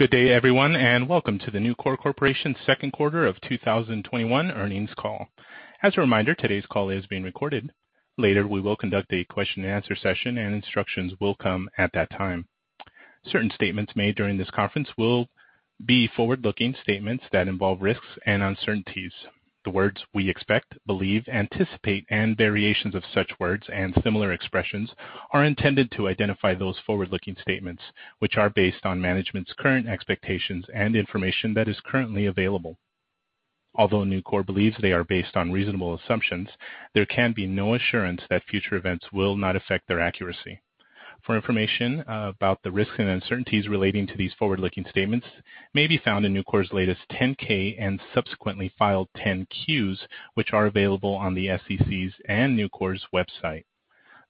Good day, everyone. Welcome to the Nucor Corporation second quarter of 2021 earnings call. As a reminder, today's call is being recorded. Later, we will conduct a question and answer session, and instructions will come at that time. Certain statements made during this conference will be forward-looking statements that involve risks and uncertainties. The words we expect, believe, anticipate, and variations of such words and similar expressions are intended to identify those forward-looking statements, which are based on management's current expectations and information that is currently available. Nucor believes they are based on reasonable assumptions, there can be no assurance that future events will not affect their accuracy. Information about the risks and uncertainties relating to these forward-looking statements may be found in Nucor's latest 10-K and subsequently filed 10-Qs, which are available on the SEC's and Nucor's website.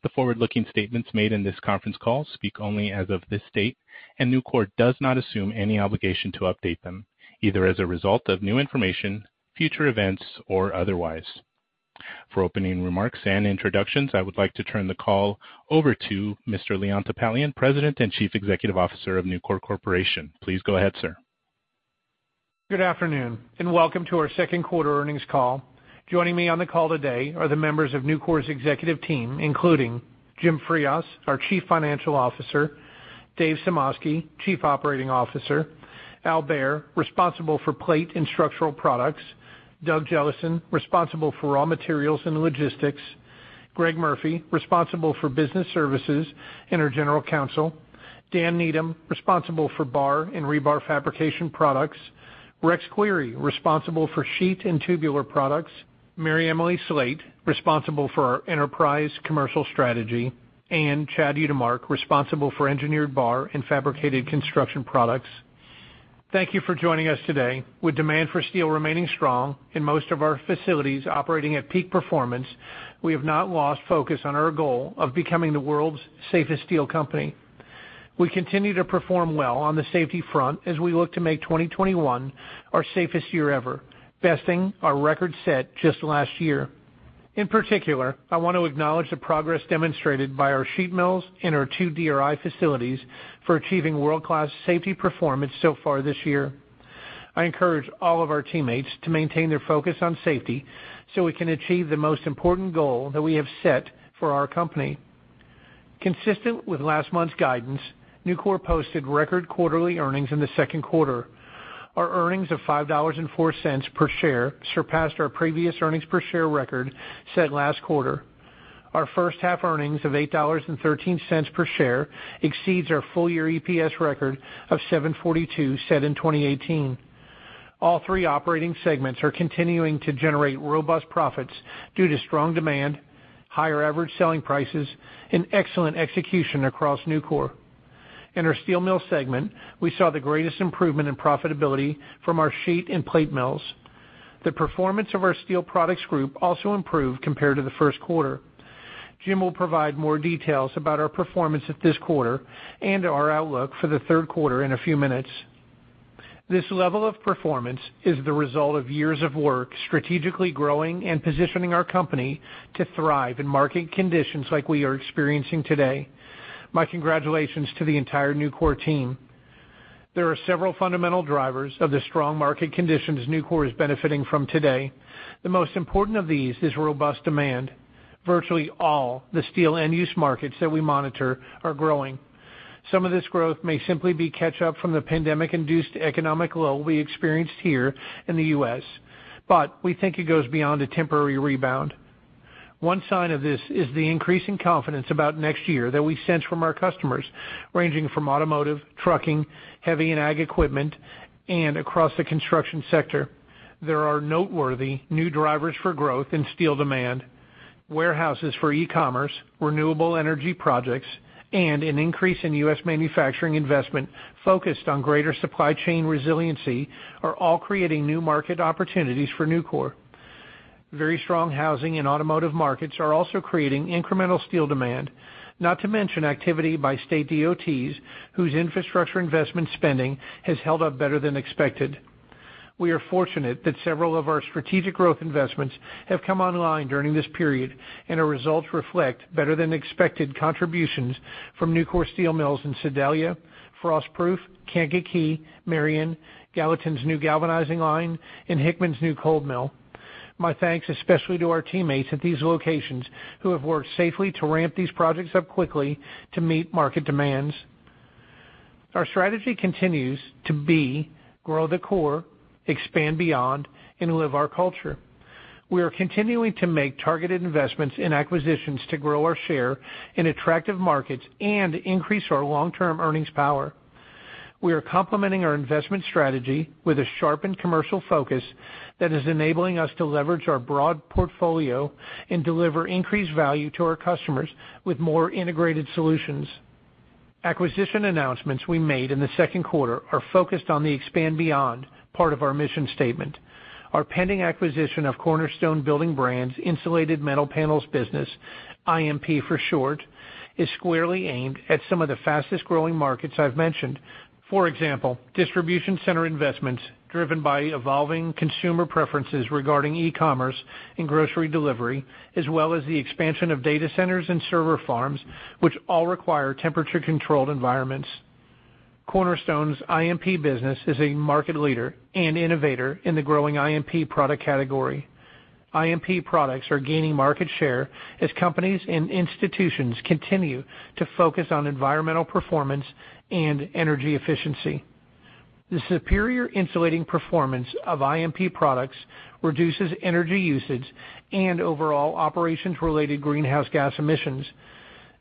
The forward-looking statements made in this conference call speak only as of this date, and Nucor does not assume any obligation to update them, either as a result of new information, future events, or otherwise. For opening remarks and introductions, I would like to turn the call over to Mr. Leon Topalian, President and Chief Executive Officer of Nucor Corporation. Please go ahead, sir. Good afternoon, and welcome to our second quarter earnings call. Joining me on the call today are the members of Nucor's executive team, including Jim Frias, our Chief Financial Officer, Dave Sumoski, Chief Operating Officer, Al Behr, responsible for Plate and Structural Products, Doug Jellison, responsible for Raw Materials and Logistics, Greg Murphy, responsible for Business Services and our General Counsel, Dan Needham, responsible for Bar and Rebar Fabrication Products, Rex Query, responsible for Sheet and Tubular Products, MaryEmily Slate, responsible for our Enterprise Commercial Strategy, and Chad Utermark, responsible for Engineered Bar and Fabricated Construction Products. Thank you for joining us today. With demand for steel remaining strong and most of our facilities operating at peak performance, we have not lost focus on our goal of becoming the world's safest steel company. We continue to perform well on the safety front as we look to make 2021 our safest year ever, besting our record set just last year. In particular, I want to acknowledge the progress demonstrated by our sheet mills and our two DRI facilities for achieving world-class safety performance so far this year. I encourage all of our teammates to maintain their focus on safety so we can achieve the most important goal that we have set for our company. Consistent with last month's guidance, Nucor posted record quarterly earnings in the second quarter. Our earnings of $5.04 per share surpassed our previous earnings per share record set last quarter. Our first half earnings of $8.13 per share exceeds our full-year EPS record of $7.42 set in 2018. All three operating segments are continuing to generate robust profits due to strong demand, higher average selling prices, and excellent execution across Nucor. In our steel mill segment, we saw the greatest improvement in profitability from our sheet and plate mills. The performance of our steel products group also improved compared to the first quarter. Jim will provide more details about our performance of this quarter and our outlook for the third quarter in a few minutes. This level of performance is the result of years of work strategically growing and positioning our company to thrive in market conditions like we are experiencing today. My congratulations to the entire Nucor team. There are several fundamental drivers of the strong market conditions Nucor is benefiting from today. The most important of these is robust demand. Virtually all the steel end-use markets that we monitor are growing. Some of this growth may simply be catch-up from the pandemic-induced economic low we experienced here in the U.S., but we think it goes beyond a temporary rebound. One sign of this is the increasing confidence about next year that we sense from our customers, ranging from automotive, trucking, heavy and Ag equipment, and across the construction sector. There are noteworthy new drivers for growth in steel demand. Warehouses for e-commerce, renewable energy projects, and an increase in U.S. manufacturing investment focused on greater supply chain resiliency are all creating new market opportunities for Nucor. Very strong housing and automotive markets are also creating incremental steel demand, not to mention activity by state DOTs, whose infrastructure investment spending has held up better than expected. We are fortunate that several of our strategic growth investments have come online during this period, and our results reflect better-than-expected contributions from Nucor steel mills in Sedalia, Frostproof, Kankakee, Marion, Gallatin's new galvanizing line, and Hickman's new cold mill. My thanks especially to our teammates at these locations who have worked safely to ramp these projects up quickly to meet market demands. Our strategy continues to be grow the core, expand beyond, and live our culture. We are continuing to make targeted investments in acquisitions to grow our share in attractive markets and increase our long-term earnings power. We are complementing our investment strategy with a sharpened commercial focus that is enabling us to leverage our broad portfolio and deliver increased value to our customers with more integrated solutions. Acquisition announcements we made in the second quarter are focused on the expand beyond part of our mission statement. Our pending acquisition of Cornerstone Building Brands Insulated Metal Panels business, IMP for short, is squarely aimed at some of the fastest-growing markets I've mentioned. For example, distribution center investments driven by evolving consumer preferences regarding e-commerce and grocery delivery, as well as the expansion of data centers and server farms, which all require temperature-controlled environments. Cornerstone's IMP business is a market leader and innovator in the growing IMP product category. IMP products are gaining market share as companies and institutions continue to focus on environmental performance and energy efficiency. The superior insulating performance of IMP products reduces energy usage and overall operations-related greenhouse gas emissions.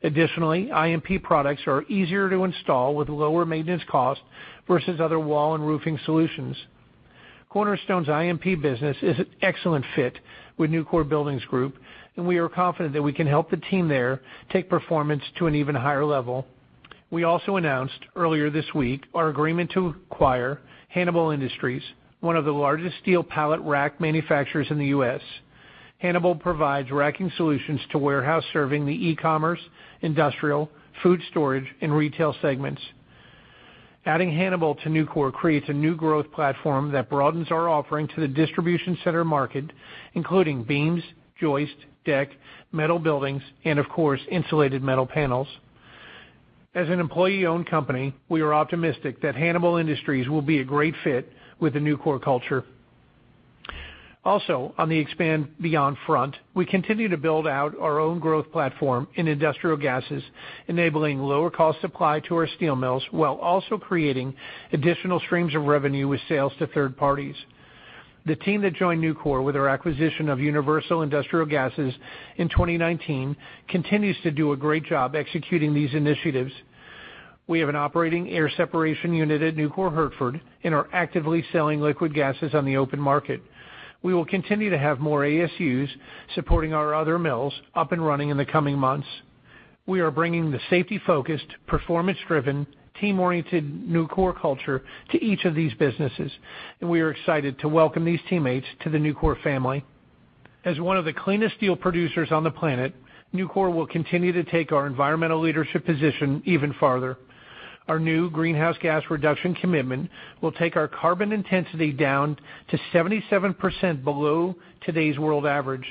IMP products are easier to install with lower maintenance cost versus other wall and roofing solutions. Cornerstone's IMP business is an excellent fit with Nucor Buildings Group, and we are confident that we can help the team there take performance to an even higher level. We also announced earlier this week our agreement to acquire Hannibal Industries, one of the largest steel pallet rack manufacturers in the U.S. Hannibal provides racking solutions to warehouse serving the e-commerce, industrial, food storage, and retail segments. Adding Hannibal to Nucor creates a new growth platform that broadens our offering to the distribution center market, including beams, joist, deck, metal buildings, and of course, Insulated Metal Panels. As an employee-owned company, we are optimistic that Hannibal Industries will be a great fit with the Nucor culture. On the expand beyond front, we continue to build out our own growth platform in industrial gases, enabling lower cost supply to our steel mills, while also creating additional streams of revenue with sales to third parties. The team that joined Nucor with our acquisition of Universal Industrial Gases in 2019 continues to do a great job executing these initiatives. We have an operating air separation unit at Nucor Hertford and are actively selling liquid gases on the open market. We will continue to have more ASUs supporting our other mills up and running in the coming months. We are bringing the safety-focused, performance-driven, team-oriented Nucor culture to each of these businesses, and we are excited to welcome these teammates to the Nucor family. As one of the cleanest steel producers on the planet, Nucor will continue to take our environmental leadership position even farther. Our new greenhouse gas reduction commitment will take our carbon intensity down to 77% below today's world average.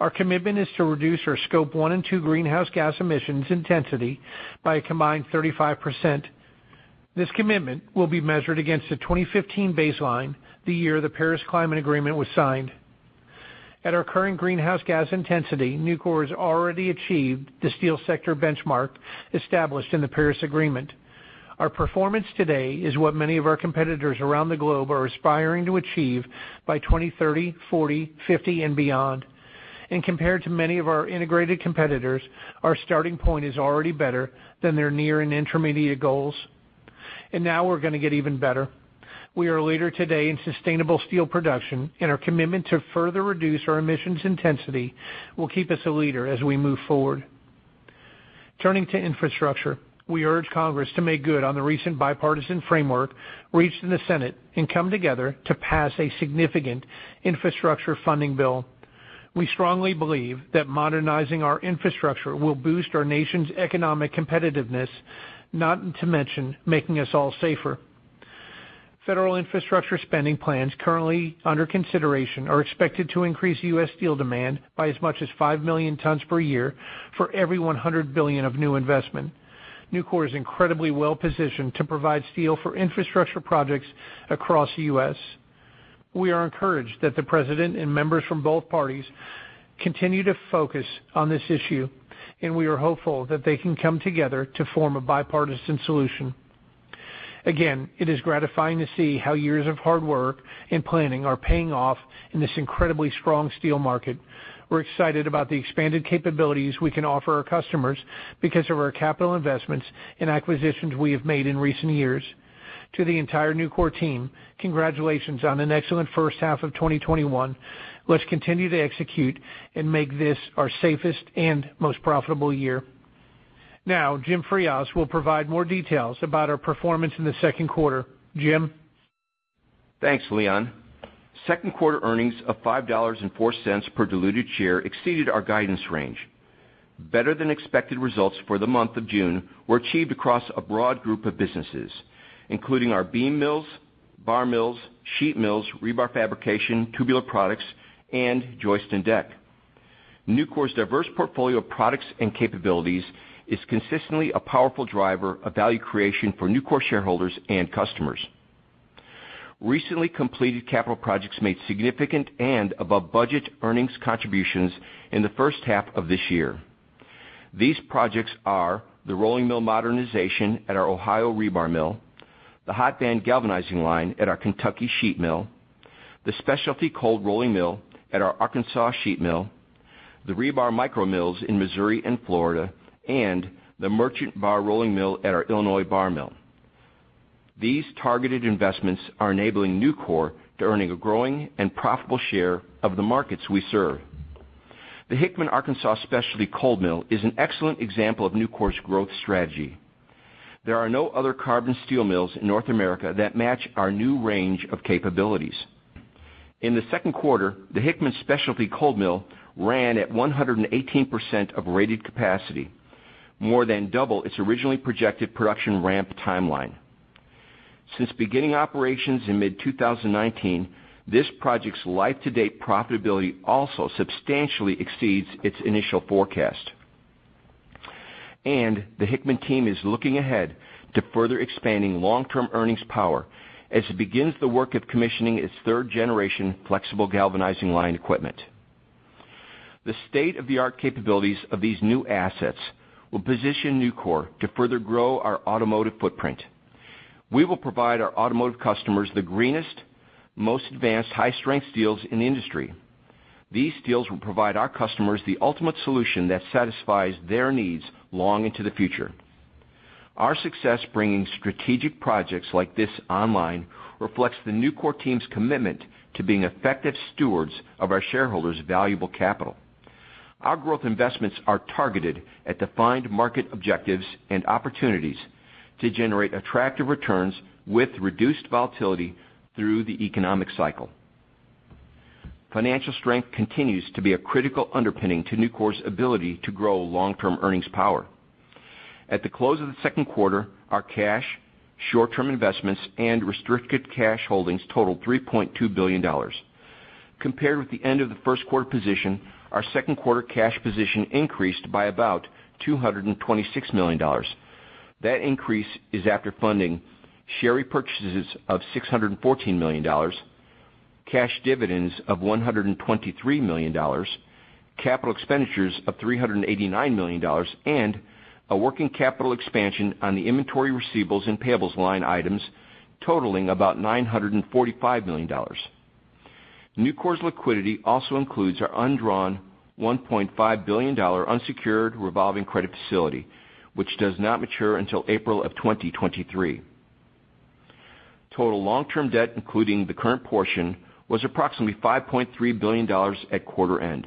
Our commitment is to reduce our Scope 1 and 2 greenhouse gas emissions intensity by a combined 35%. This commitment will be measured against a 2015 baseline, the year the Paris Climate Agreement was signed. At our current greenhouse gas intensity, Nucor has already achieved the steel sector benchmark established in the Paris Agreement. Our performance today is what many of our competitors around the globe are aspiring to achieve by 2030, 2040, 2050, and beyond. Compared to many of our integrated competitors, our starting point is already better than their near and intermediate goals. Now we're gonna get even better. We are a leader today in sustainable steel production, and our commitment to further reduce our emissions intensity will keep us a leader as we move forward. Turning to infrastructure, we urge Congress to make good on the recent bipartisan framework reached in the Senate and come together to pass a significant infrastructure funding bill. We strongly believe that modernizing our infrastructure will boost our nation's economic competitiveness, not to mention making us all safer. Federal infrastructure spending plans currently under consideration are expected to increase U.S. steel demand by as much as 5 million tons per year for every $100 billion of new investment. Nucor is incredibly well-positioned to provide steel for infrastructure projects across the U.S. We are encouraged that the President and members from both parties continue to focus on this issue, and we are hopeful that they can come together to form a bipartisan solution. Again, it is gratifying to see how years of hard work and planning are paying off in this incredibly strong steel market. We're excited about the expanded capabilities we can offer our customers because of our capital investments and acquisitions we have made in recent years. To the entire Nucor team, congratulations on an excellent first half of 2021. Let's continue to execute and make this our safest and most profitable year. Now, Jim Frias will provide more details about our performance in the second quarter. Jim? Thanks, Leon. Second quarter earnings of $5.04 per diluted share exceeded our guidance range. Better than expected results for the month of June were achieved across a broad group of businesses, including our beam mills, bar mills, sheet mills, rebar fabrication, tubular products, and joist and deck. Nucor's diverse portfolio of products and capabilities is consistently a powerful driver of value creation for Nucor shareholders and customers. Recently completed capital projects made significant and above budget earnings contributions in the first half of this year. These projects are the rolling mill modernization at our Ohio rebar mill, the hot band galvanizing line at our Kentucky sheet mill, the specialty cold rolling mill at our Arkansas sheet mill, the rebar micro mills in Missouri and Florida, and the merchant bar rolling mill at our Illinois bar mill. These targeted investments are enabling Nucor to earning a growing and profitable share of the markets we serve. The Hickman, Arkansas specialty cold mill is an excellent example of Nucor's growth strategy. There are no other carbon steel mills in North America that match our new range of capabilities. In the second quarter, the Hickman specialty cold mill ran at 118% of rated capacity, more than double its originally projected production ramp timeline. Since beginning operations in mid-2019, this project's life-to-date profitability also substantially exceeds its initial forecast. The Hickman team is looking ahead to further expanding long-term earnings power as it begins the work of commissioning its 3rd-generation flexible galvanizing line equipment. The state-of-the-art capabilities of these new assets will position Nucor to further grow our automotive footprint. We will provide our automotive customers the greenest, most advanced high-strength steels in the industry. These steels will provide our customers the ultimate solution that satisfies their needs long into the future. Our success bringing strategic projects like this online reflects the Nucor team's commitment to being effective stewards of our shareholders' valuable capital. Our growth investments are targeted at defined market objectives and opportunities to generate attractive returns with reduced volatility through the economic cycle. Financial strength continues to be a critical underpinning to Nucor's ability to grow long-term earnings power. At the close of the second quarter, our cash, short-term investments, and restricted cash holdings totaled $3.2 billion. Compared with the end of the first quarter position, our second quarter cash position increased by about $226 million. That increase is after funding share repurchases of $614 million, cash dividends of $123 million, capital expenditures of $389 million, and a working capital expansion on the inventory receivables and payables line items totaling about $945 million. Nucor's liquidity also includes our undrawn $1.5 billion unsecured revolving credit facility, which does not mature until April of 2023. Total long-term debt, including the current portion, was approximately $5.3 billion at quarter-end.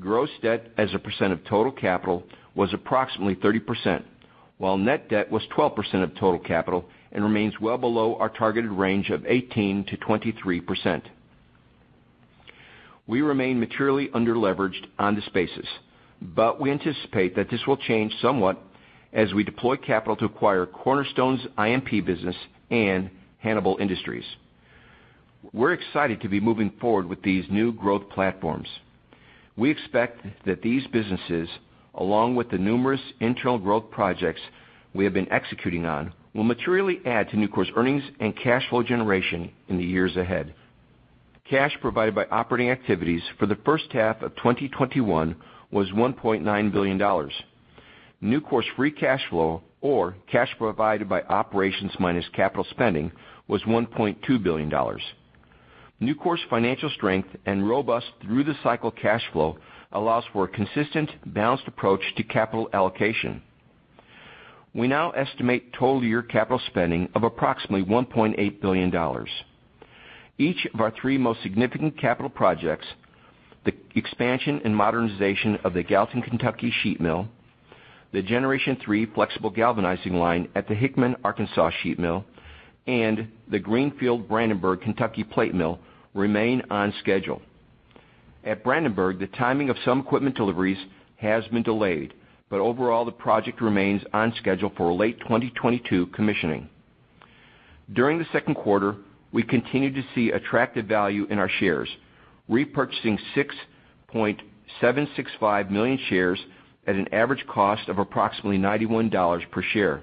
Gross debt as a percent of total capital was approximately 30%, while net debt was 12% of total capital and remains well below our targeted range of 18%-23%. We remain materially under-leveraged on this basis, but we anticipate that this will change somewhat as we deploy capital to acquire Cornerstone's IMP business and Hannibal Industries. We're excited to be moving forward with these new growth platforms. We expect that these businesses, along with the numerous internal growth projects we have been executing on, will materially add to Nucor's earnings and cash flow generation in the years ahead. Cash provided by operating activities for the first half of 2021 was $1.9 billion. Nucor's free cash flow or cash provided by operations minus capital spending was $1.2 billion. Nucor's financial strength and robust through-the-cycle cash flow allows for a consistent, balanced approach to capital allocation. We now estimate total year capital spending of approximately $1.8 billion. Each of our three most significant capital projects, the expansion and modernization of the Gallatin, Kentucky sheet mill, the Generation 3 flexible galvanizing line at the Hickman, Arkansas sheet mill, and the greenfield Brandenburg, Kentucky plate mill, remain on schedule. At Brandenburg, the timing of some equipment deliveries has been delayed, but overall, the project remains on schedule for a late 2022 commissioning. During the second quarter, we continued to see attractive value in our shares, repurchasing 6.765 million shares at an average cost of approximately $91 per share.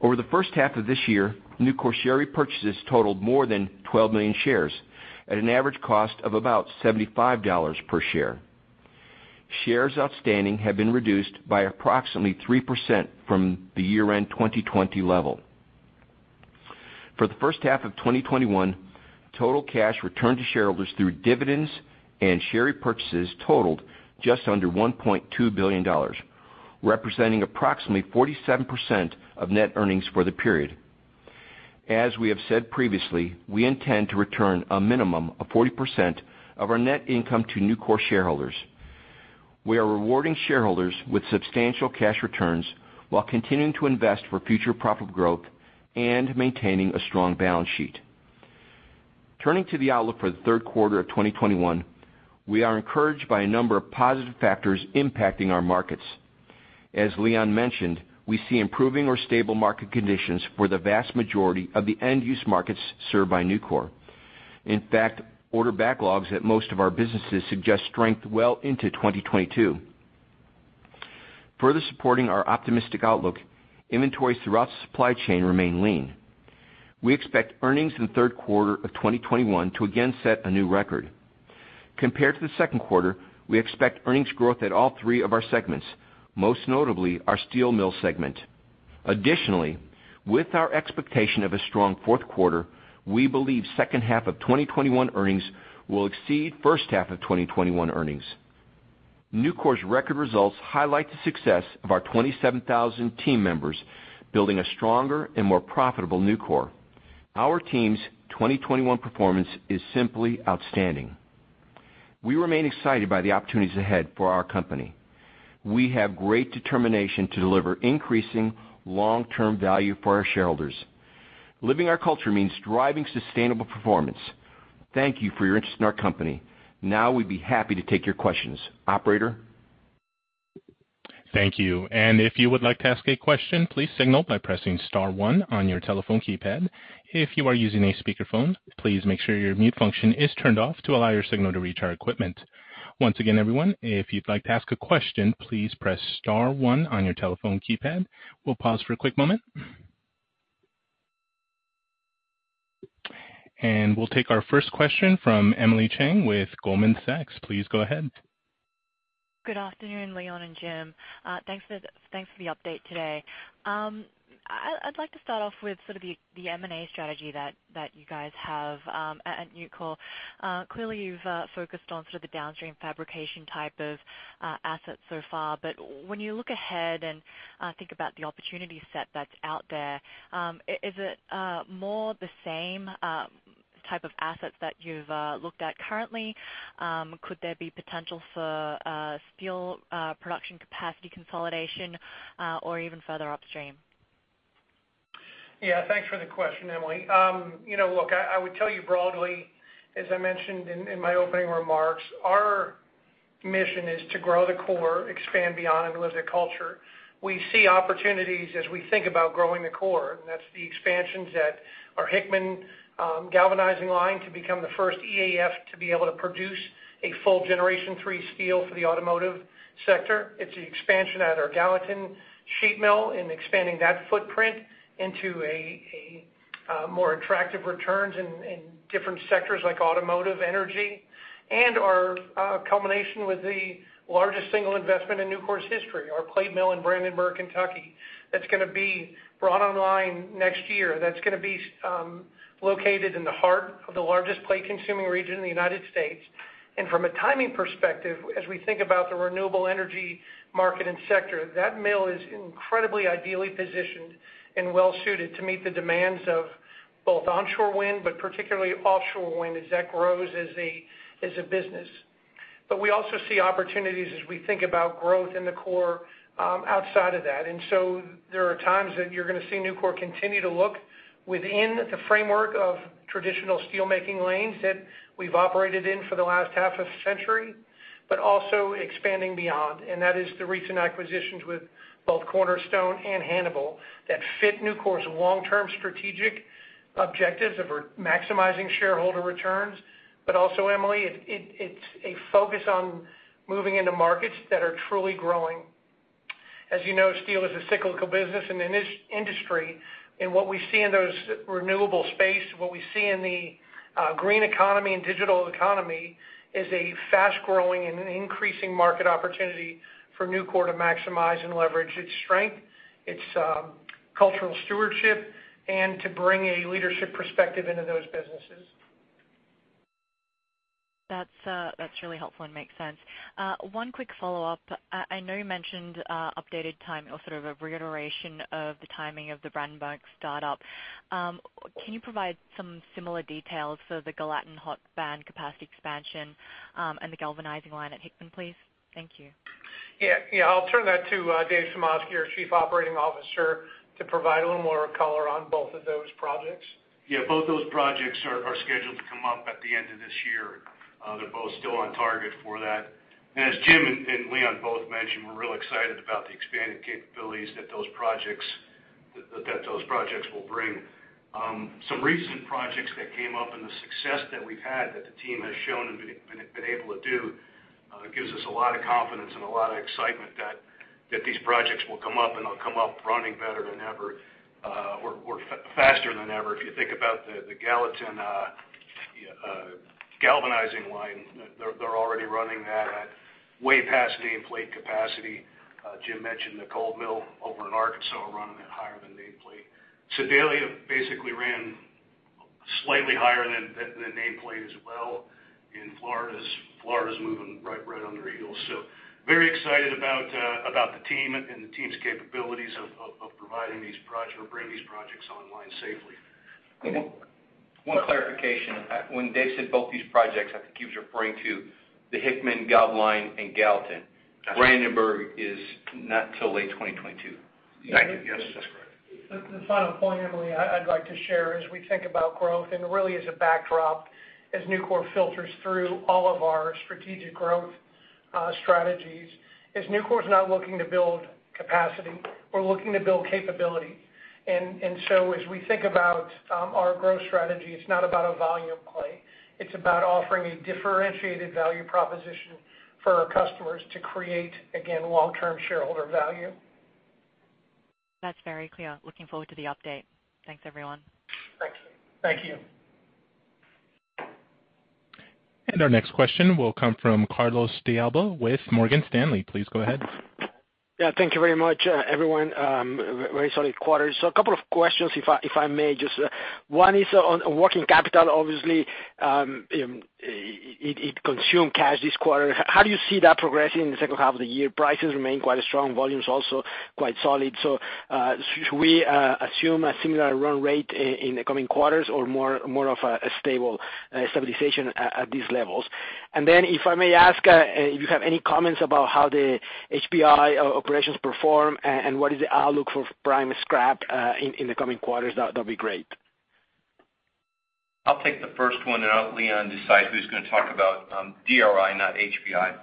Over the first half of this year, Nucor share repurchases totaled more than 12 million shares at an average cost of about $75 per share. Shares outstanding have been reduced by approximately 3% from the year-end 2020 level. For the first half of 2021, total cash returned to shareholders through dividends and share repurchases totaled just under $1.2 billion, representing approximately 47% of net earnings for the period. As we have said previously, we intend to return a minimum of 40% of our net income to Nucor shareholders. We are rewarding shareholders with substantial cash returns while continuing to invest for future profitable growth and maintaining a strong balance sheet. Turning to the outlook for the third quarter of 2021, we are encouraged by a number of positive factors impacting our markets. As Leon mentioned, we see improving or stable market conditions for the vast majority of the end-use markets served by Nucor. In fact, order backlogs at most of our businesses suggest strength well into 2022. Further supporting our optimistic outlook, inventories throughout the supply chain remain lean. We expect earnings in the third quarter of 2021 to again set a new record. Compared to the second quarter, we expect earnings growth at all three of our segments, most notably our steel mill segment. Additionally, with our expectation of a strong fourth quarter, we believe the second half of 2021 earnings will exceed the first half of 2021 earnings. Nucor's record results highlight the success of our 27,000 team members building a stronger and more profitable Nucor. Our team's 2021 performance is simply outstanding. We remain excited by the opportunities ahead for our company. We have great determination to deliver increasing long-term value for our shareholders. Living our culture means driving sustainable performance. Thank you for your interest in our company. Now we'd be happy to take your questions. Operator? Thank you. If you would like to ask a question, please signal by pressing star one on your telephone keypad. If you are using a speakerphone, please make sure your mute function is turned off to allow your signal to reach our equipment. Once again, everyone, if you'd like to ask a question, please press star one on your telephone keypad. We'll pause for a quick moment. We'll take our first question from Emily Chieng with Goldman Sachs. Please go ahead. Good afternoon, Leon and Jim. Thanks for the update today. I'd like to start off with the M&A strategy that you guys have at Nucor. Clearly, you've focused on the downstream fabrication type of assets so far, when you look ahead and think about the opportunity set that's out there, is it more the same type of assets that you've looked at currently? Could there be potential for steel production capacity consolidation, or even further upstream? Yeah. Thanks for the question, Emily. Look, I would tell you broadly, as I mentioned in my opening remarks, our mission is to grow the core, expand beyond, and live the culture. We see opportunities as we think about growing the core, and that's the expansions at our Hickman galvanizing line to become the first EAF to be able to produce a full Generation 3 steel for the automotive sector. It's the expansion at our Gallatin sheet mill and expanding that footprint into a more attractive returns in different sectors like automotive energy, and our culmination with the largest single investment in Nucor's history, our plate mill in Brandenburg, Kentucky, that's going to be brought online next year. That's going to be located in the heart of the largest plate-consuming region in the United States. From a timing perspective, as we think about the renewable energy market and sector, that mill is incredibly ideally positioned and well-suited to meet the demands of both onshore wind, but particularly offshore wind as that grows as a business. We also see opportunities as we think about growth in the core outside of that. There are times that you're going to see Nucor continue to look within the framework of traditional steelmaking lanes that we've operated in for the last half a century, but also expanding beyond. That is the recent acquisitions with both Cornerstone and Hannibal that fit Nucor's long-term strategic objectives of maximizing shareholder returns. Also, Emily, it's a focus on moving into markets that are truly growing. As you know, steel is a cyclical business and an industry. What we see in those renewable space, what we see in the green economy and digital economy is a fast-growing and an increasing market opportunity for Nucor to maximize and leverage its strength, its cultural stewardship, and to bring a leadership perspective into those businesses. That's really helpful and makes sense. One quick follow-up. I know you mentioned updated time or a reiteration of the timing of the Brandenburg startup. Can you provide some similar details for the Gallatin hot band capacity expansion, and the galvanizing line at Hickman, please? Thank you. Yeah. I'll turn that to Dave Sumoski, our Chief Operating Officer, to provide a little more color on both of those projects. Yeah, both those projects are scheduled to come up at the end of this year. They're both still on target for that. As Jim and Leon both mentioned, we're real excited about the expanded capabilities that those projects will bring. Some recent projects that came up and the success that we've had, that the team has shown and been able to do, gives us a lot of confidence and a lot of excitement that these projects will come up, and they'll come up running better than ever, or faster than ever. If you think about the Gallatin galvanizing line, they're already running that at way past nameplate capacity. Jim mentioned the cold mill over in Arkansas, we're running at higher than nameplate. Sedalia basically ran slightly higher than nameplate as well. Florida's moving right on their heels. Very excited about the team and the team's capabilities of providing these projects or bringing these projects online safely. One clarification. When Dave said both these projects, I think he was referring to the Hickman galv line and Gallatin. Brandenburg is not till late 2022. Yes, that's correct. The final point, Emily, I'd like to share as we think about growth, and really as a backdrop, as Nucor filters through all of our strategic growth strategies, is Nucor's not looking to build capacity. We're looking to build capability. As we think about our growth strategy, it's not about a volume play. It's about offering a differentiated value proposition for our customers to create, again, long-term shareholder value. That's very clear. Looking forward to the update. Thanks, everyone. Thank you. Thank you. Our next question will come from Carlos de Alba with Morgan Stanley. Please go ahead. Yeah, thank you very much, everyone. Very solid quarter. A couple of questions, if I may. Just one is on working capital, obviously, it consumed cash this quarter. How do you see that progressing in the second half of the year? Prices remain quite strong, volume is also quite solid. Should we assume a similar run rate in the coming quarters or more of a stabilization at these levels? Then if I may ask, if you have any comments about how the HBI operations perform and what is the outlook for prime scrap in the coming quarters, that'd be great. I'll take the first one, and I'll let Leon decide who's going to talk about DRI, not HBI.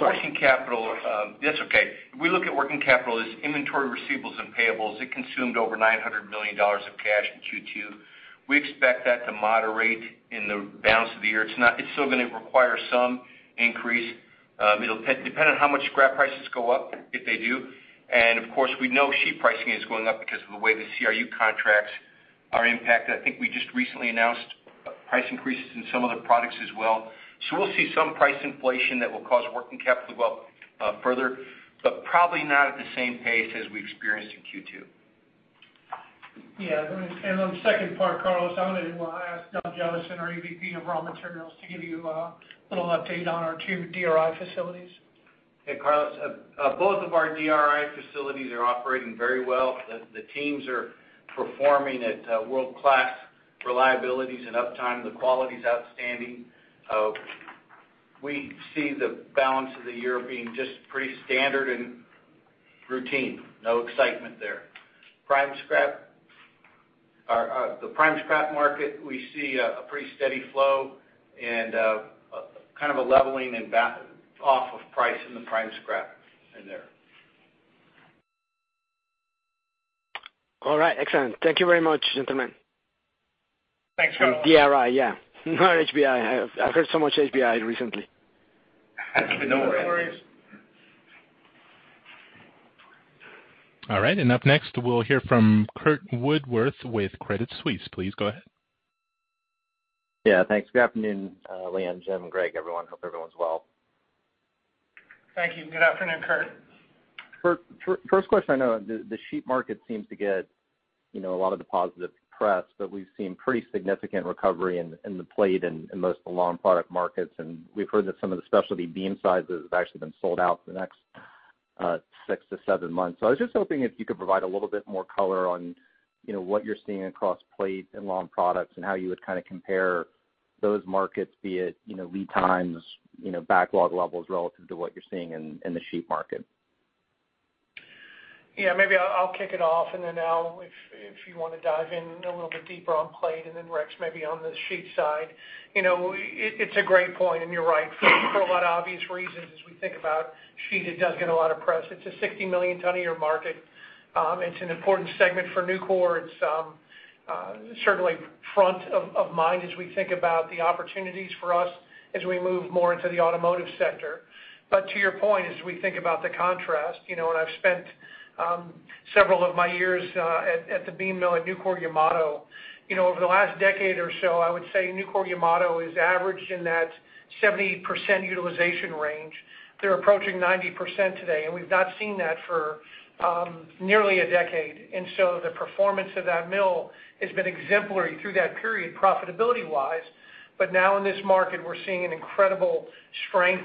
Working capital. That's okay. We look at working capital as inventory receivables and payables. It consumed over $900 million of cash in Q2. We expect that to moderate in the balance of the year. It's still going to require some increase. It'll depend on how much scrap prices go up, if they do. Of course, we know sheet pricing is going up because of the way the CRU contracts are impacted. I think we just recently announced price increases in some of the products as well. We'll see some price inflation that will cause working capital to go up further, but probably not at the same pace as we've experienced in Q2. Yeah. On the second part, Carlos, I'm going to ask Doug Jellison, our EVP of Raw Materials, to give you a little update on our two DRI facilities. Hey, Carlos. Both of our DRI facilities are operating very well. The teams are performing at world-class reliabilities and uptime. The quality is outstanding. We see the balance of the year being just pretty standard and routine. No excitement there. The prime scrap market, we see a pretty steady flow and kind of a leveling off of price in the prime scrap in there. All right. Excellent. Thank you very much, gentlemen. Thanks, Carlos. DRI, yeah. Not HBI. I've heard so much HBI recently. No worries. All right. Up next, we'll hear from Curt Woodworth with Credit Suisse. Please go ahead. Thanks. Good afternoon, Leon, Jim, Greg, everyone. Hope everyone's well. Thank you. Good afternoon, Curt. First question. I know the sheet market seems to get a lot of the positive press, but we've seen pretty significant recovery in the plate and in most of the long product markets, and we've heard that some of the specialty beam sizes have actually been sold out for the next six to seven months. I was just hoping if you could provide a little bit more color on what you're seeing across plate and long products and how you would kind of compare those markets, be it lead times, backlog levels relative to what you're seeing in the sheet market. Yeah, maybe I'll kick it off and then Al, if you want to dive in a little bit deeper on plate and then Rex maybe on the sheet side. It's a great point, and you're right. For a lot of obvious reasons, as we think about sheet, it does get a lot of press. It's a 60 million ton a year market. It's an important segment for Nucor. It's certainly front of mind as we think about the opportunities for us as we move more into the automotive sector. To your point, as we think about the contrast, and I've spent several of my years at the beam mill at Nucor-Yamato. Over the last decade or so, I would say Nucor-Yamato has averaged in that 70% utilization range. They're approaching 90% today, and we've not seen that for nearly a decade. The performance of that mill has been exemplary through that period profitability-wise. In this market, we're seeing an incredible strength.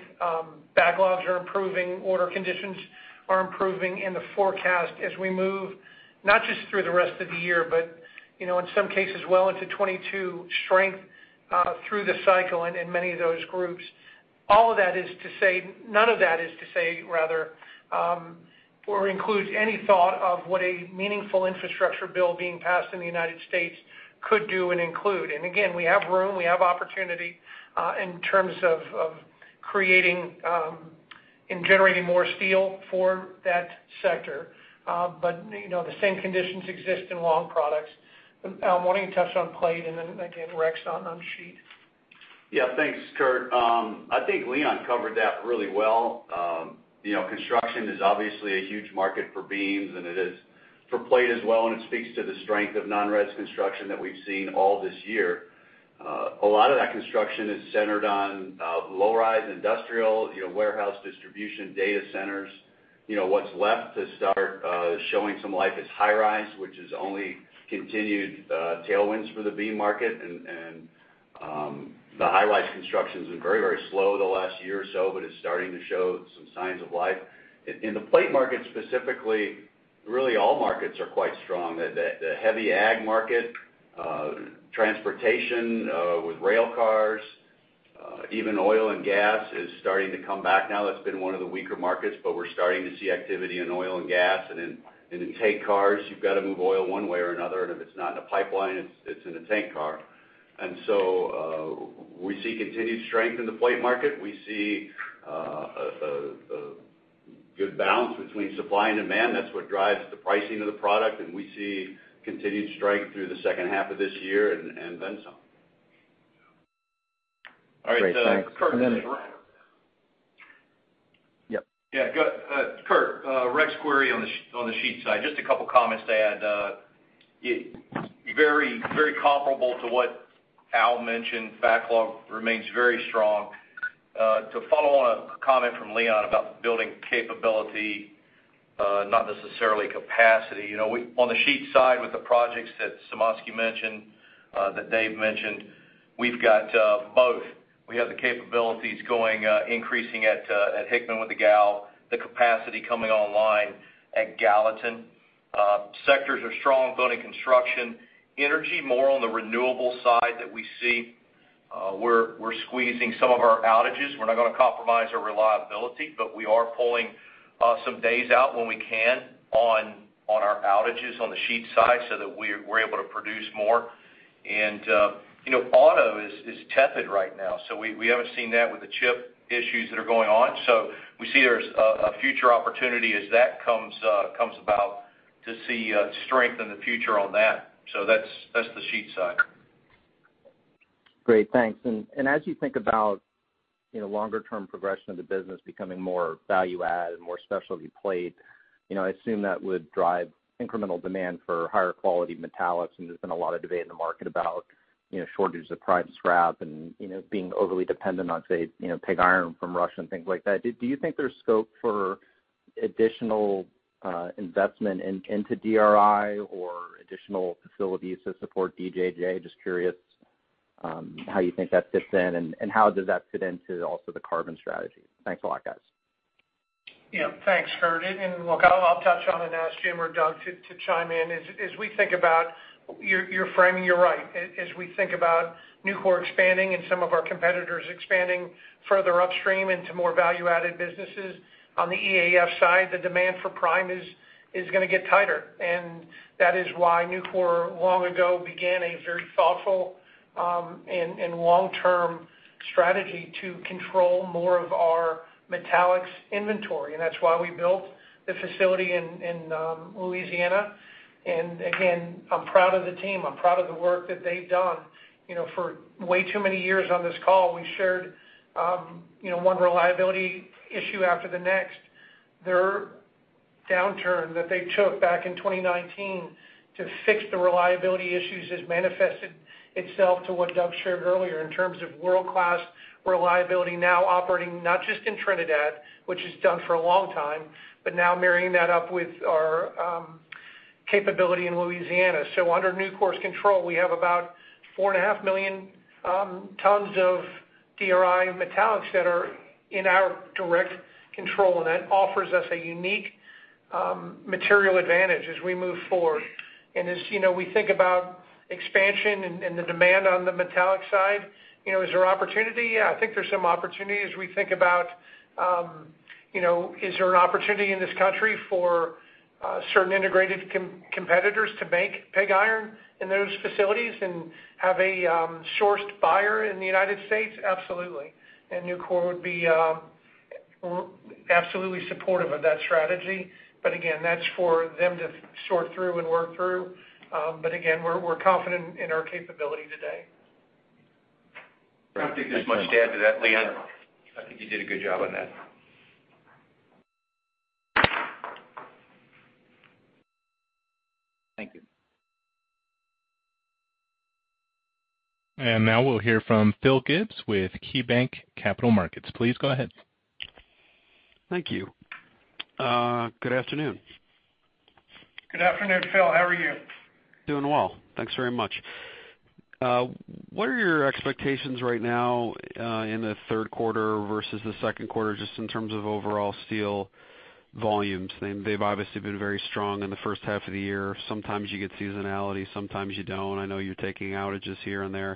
Backlogs are improving, order conditions are improving in the forecast as we move not just through the rest of the year, but in some cases well into 2022, strength through the cycle and in many of those groups. None of that is to say, rather, or includes any thought of what a meaningful infrastructure bill being passed in the U.S. could do and include. We have room, we have opportunity in terms of creating and generating more steel for that sector. The same conditions exist in long products. Al, why don't you touch on plate and then Rex on sheet? Yeah. Thanks, Curt. I think Leon covered that really well. Construction is obviously a huge market for beams, and it is for plate as well, and it speaks to the strength of non-res construction that we've seen all this year. A lot of that construction is centered on low-rise industrial, warehouse distribution, data centers. What's left to start showing some life is high-rise, which has only continued tailwinds for the beam market. The high-rise construction has been very slow the last year or so, but it's starting to show some signs of life. In the plate market specifically, really all markets are quite strong. The heavy Ag market, transportation with rail cars, even oil and gas is starting to come back now. That's been one of the weaker markets, but we're starting to see activity in oil and gas and in tank cars. You've got to move oil one way or another, and if it's not in a pipeline, it's in a tank car. We see continued strength in the plate market. We see a good balance between supply and demand. That's what drives the pricing of the product, and we see continued strength through the second half of this year and then some. Great. Thanks. All right. Curt- And then- Yep. Yeah. Curt, Rex Query on the sheet side. Just a couple of comments to add. Very comparable to what Al mentioned. Backlog remains very strong. To follow on a comment from Leon about building capability, not necessarily capacity. On the sheet side with the projects that Sumoski mentioned, that Dave mentioned, we've got both. We have the capabilities going, increasing at Hickman with the gal, the capacity coming online at Gallatin. Sectors are strong. Building construction. Energy, more on the renewable side that we see. We're squeezing some of our outages. We're not going to compromise our reliability, but we are pulling some days out when we can on our outages on the sheet side so that we're able to produce more. Auto is tepid right now, so we haven't seen that with the chip issues that are going on. We see there's a future opportunity as that comes about to see strength in the future on that. That's the sheet side. Great, thanks. As you think about longer term progression of the business becoming more value-add and more specialty plate, I assume that would drive incremental demand for higher quality metallics. There's been a lot of debate in the market about shortages of prime scrap and being overly dependent on, say, pig iron from Russia and things like that. Do you think there's scope for additional investment into DRI or additional facilities to support DJJ? Just curious how you think that fits in. How does that fit into also the carbon strategy? Thanks a lot, guys. Yeah. Thanks, Curt. Look, I'll touch on it and ask Jim or Doug to chime in. Your framing, you're right. As we think about Nucor expanding and some of our competitors expanding further upstream into more value-added businesses on the EAF side, the demand for prime is going to get tighter. That is why Nucor long ago began a very thoughtful and long-term strategy to control more of our metallics inventory. That's why we built the facility in Louisiana. Again, I'm proud of the team. I'm proud of the work that they've done. For way too many years on this call, we shared one reliability issue after the next. Their downturn that they took back in 2019 to fix the reliability issues has manifested itself to what Doug shared earlier in terms of world-class reliability now operating not just in Trinidad, which it's done for a long time, but now marrying that up with our capability in Louisiana. Under Nucor's control, we have about 4.5 million tons of DRI metallics that are in our direct control, and that offers us a unique material advantage as we move forward. As we think about expansion and the demand on the metallic side, is there opportunity? Yeah, I think there's some opportunity as we think about, is there an opportunity in this country for certain integrated competitors to make pig iron in those facilities and have a sourced buyer in the United States? Absolutely. Nucor would be absolutely supportive of that strategy. Again, that's for them to sort through and work through. Again, we're confident in our capability today. I don't think there's much to add to that, Leon. I think you did a good job on that. Thank you. Now we'll hear from Phil Gibbs with KeyBanc Capital Markets. Please go ahead. Thank you. Good afternoon. Good afternoon, Phil. How are you? Doing well. Thanks very much. What are your expectations right now in the third quarter versus the second quarter, just in terms of overall steel volumes? They've obviously been very strong in the first half of the year. Sometimes you get seasonality, sometimes you don't. I know you're taking outages here and there.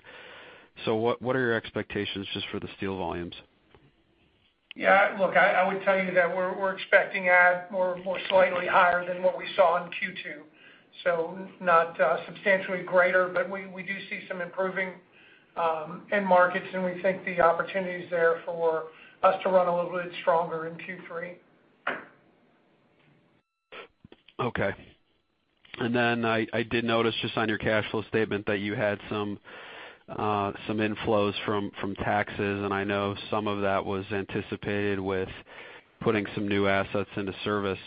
What are your expectations just for the steel volumes? Look, I would tell you that we're expecting more slightly higher than what we saw in Q2. Not substantially greater, but we do see some improving end markets, and we think the opportunity is there for us to run a little bit stronger in Q3. Okay. I did notice just on your cash flow statement that you had some inflows from taxes, I know some of that was anticipated with putting some new assets into service.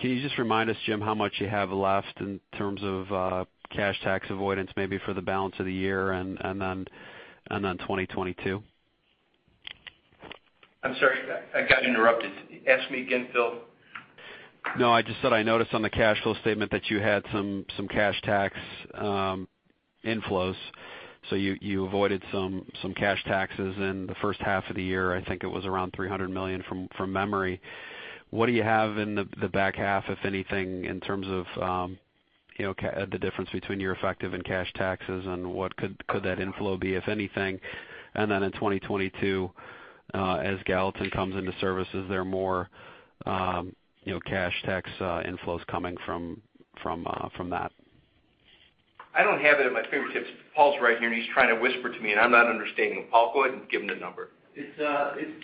Can you just remind us, Jim, how much you have left in terms of cash tax avoidance, maybe for the balance of the year and then 2022? I'm sorry. I got interrupted. Ask me again, Phil. I just said I noticed on the cash flow statement that you had some cash tax inflows. You avoided some cash taxes in the first half of the year. I think it was around $300 million from memory. What do you have in the back half, if anything, in terms of the difference between your effective and cash taxes, and what could that inflow be, if anything? Then in 2022, as Gallatin comes into service, is there more cash tax inflows coming from that? I don't have it at my fingertips. Paul's right here, and he's trying to whisper to me, and I'm not understanding him. Paul, go ahead and give him the number. It's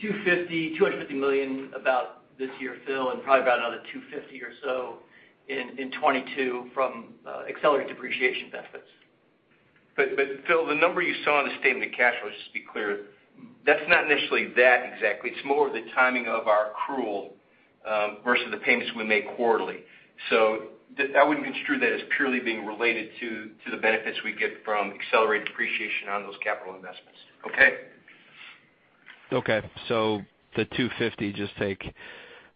$250 million about this year, Phil, and probably about another $250 or so in 2022 from accelerated depreciation benefits. Phil, the number you saw in the statement of cash flow, just to be clear, that's not necessarily that exactly. It's more of the timing of our accrual versus the payments we make quarterly. I wouldn't construe that as purely being related to the benefits we get from accelerated depreciation on those capital investments. Okay. Okay. The 250.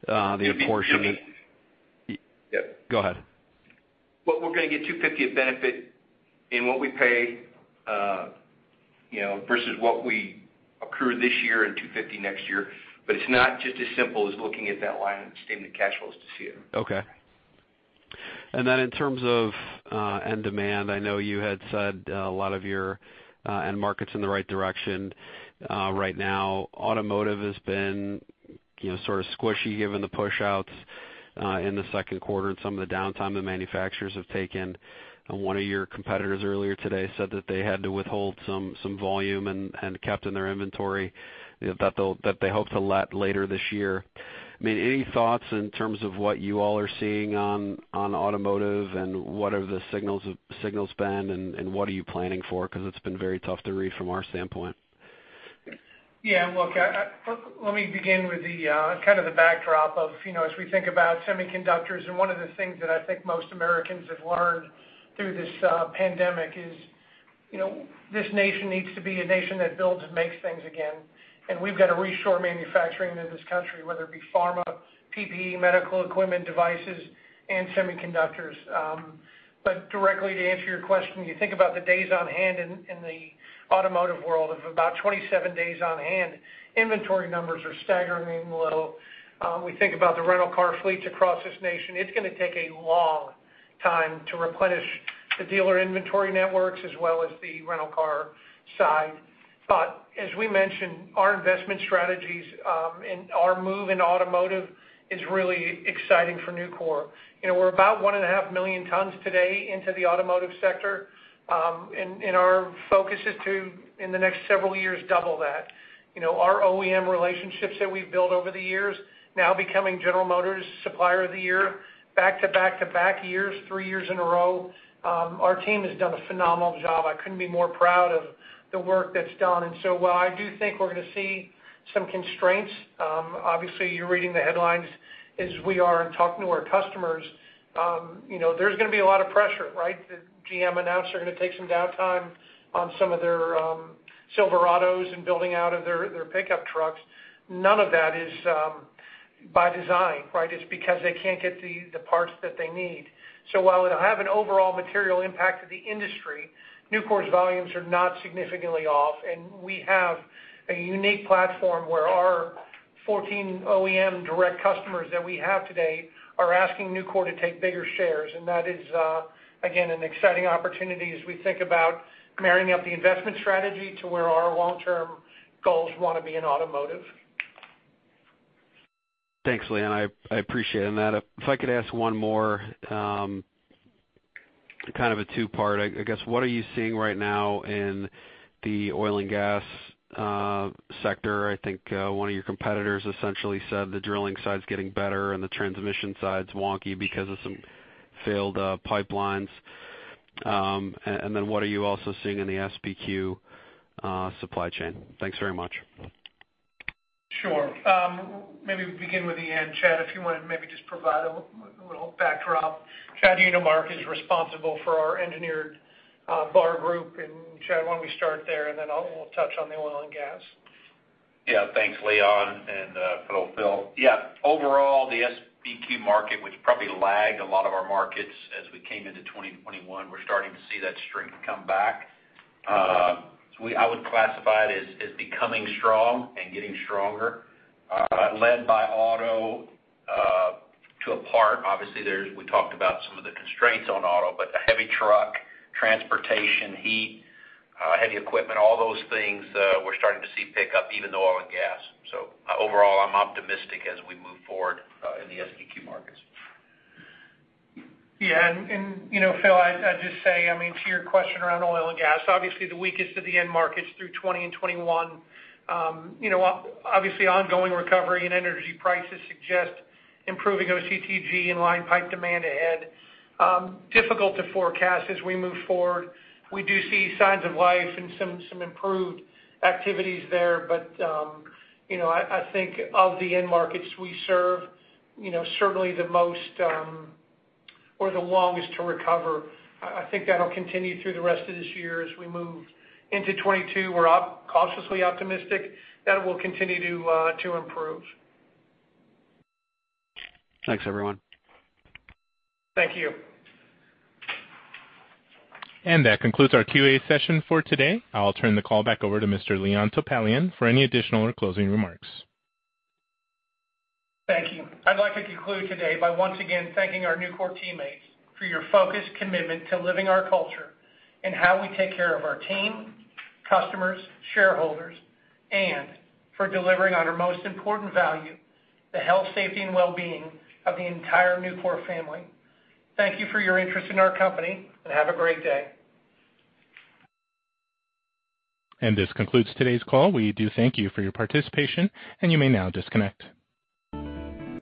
Yep. Go ahead. Well, we're going to get $250 of benefit in what we pay versus what we accrue this year and $250 next year. It's not just as simple as looking at that line on the Statement of Cash Flows to see it. Okay. Then in terms of end demand, I know you had said a lot of your end markets in the right direction right now. Automotive has been sort of squishy given the pushouts in the second quarter and some of the downtime the manufacturers have taken. One of your competitors earlier today said that they had to withhold some volume and kept in their inventory that they hope to let later this year. Any thoughts in terms of what you all are seeing on Automotive and what are the signals been and what are you planning for? Because it's been very tough to read from our standpoint. Look, let me begin with the backdrop of as we think about semiconductors, one of the things that I think most Americans have learned through this pandemic is this nation needs to be a nation that builds and makes things again. We've got to reshore manufacturing in this country, whether it be pharma, PPE, medical equipment devices, and semiconductors. Directly to answer your question, you think about the days on hand in the automotive world of about 27 days on hand. Inventory numbers are staggering low. We think about the rental car fleets across this nation. It's going to take a long time to replenish the dealer inventory networks as well as the rental car side. As we mentioned, our investment strategies and our move in automotive is really exciting for Nucor. We're about 1.5 million tons today into the automotive sector. Our focus is to, in the next several years, double that. Our OEM relationships that we've built over the years, now becoming General Motors Supplier of the Year back to back to back years, three years in a row. Our team has done a phenomenal job. I couldn't be more proud of the work that's done. While I do think we're going to see some constraints, obviously you're reading the headlines as we are and talking to our customers. There's going to be a lot of pressure, right? GM announced they're going to take some downtime on some of their Silverados and building out of their pickup trucks. None of that is by design, right? It's because they can't get the parts that they need. While it'll have an overall material impact to the industry, Nucor's volumes are not significantly off. We have a unique platform where our 14 OEM direct customers that we have today are asking Nucor to take bigger shares. That is, again, an exciting opportunity as we think about marrying up the investment strategy to where our long-term goals want to be in automotive. Thanks, Leon. I appreciate that. If I could ask one more, kind of a two-part, I guess. What are you seeing right now in the oil and gas sector? I think one of your competitors essentially said the drilling side's getting better and the transmission side's wonky because of some failed pipelines. What are you also seeing in the SBQ supply chain? Thanks very much. Sure. Maybe we begin with the end. Chad, if you want to maybe just provide a little backdrop. Chad Utermark is responsible for our Engineered Bar Group. Chad, why don't we start there and then we'll touch on the oil and gas. Thanks, Leon, and Phil. Overall, the SBQ market, which probably lagged a lot of our markets as we came into 2021, we're starting to see that strength come back. I would classify it as becoming strong and getting stronger, led by auto to a part. Obviously, we talked about some of the constraints on auto, but the heavy truck, transportation, heat, heavy equipment, all those things, we're starting to see pick up even the oil and gas. Overall, I'm optimistic as we move forward in the SBQ markets. Yeah. Phil, I'd just say to your question around oil and gas, obviously the weakest of the end markets through 2020 and 2021. Obviously, ongoing recovery and energy prices suggest improving OCTG in line pipe demand ahead. Difficult to forecast as we move forward. We do see signs of life and some improved activities there. I think of the end markets we serve certainly the most or the longest to recover. I think that'll continue through the rest of this year as we move into 2022. We're cautiously optimistic that it will continue to improve. Thanks, everyone. Thank you. That concludes our QA session for today. I'll turn the call back over to Mr. Leon Topalian for any additional or closing remarks. Thank you. I'd like to conclude today by once again thanking our Nucor teammates for your focused commitment to living our culture and how we take care of our team, customers, shareholders, and for delivering on our most important value, the health, safety, and well-being of the entire Nucor family. Thank you for your interest in our company, and have a great day. This concludes today's call. We do thank you for your participation, and you may now disconnect.